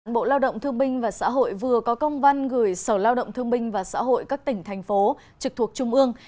bộ lao động thương binh và xã hội vừa có công văn gửi sở lao động thương binh và xã hội các tỉnh thành phố trực thuộc trung ương